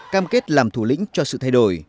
cam kết làm thủ lĩnh cho sự thay đổi